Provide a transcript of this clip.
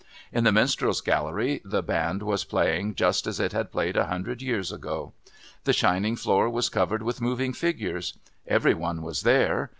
In the Minstrels' Gallery the band was playing just as it had played a hundred years ago. The shining floor was covered with moving figures. Every one was there.